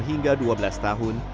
hingga dua belas tahun